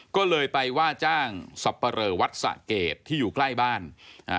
ก็เลยไปว่าจ้างสับปะเรอวัดสะเกดที่อยู่ใกล้บ้านอ่า